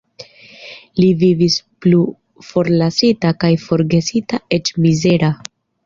Li vivis plu forlasita kaj forgesita, eĉ mizera.